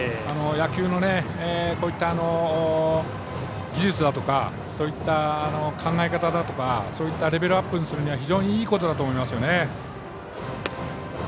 野球の技術だとかそういった考え方だとかそういったレベルアップするには非常にいいことだと思いますね。